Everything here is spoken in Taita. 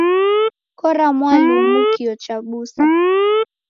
Kora mwalumu kio chabusa